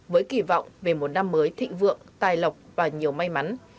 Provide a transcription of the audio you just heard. với kỳ vọng về một năm mới thịnh vượng tài lộc và nhiều may mắn